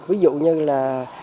ví dụ như là